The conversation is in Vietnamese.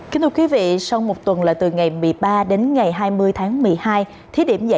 kính thưa quý vị sau một tuần là từ ngày một mươi ba đến ngày hai mươi tháng một mươi hai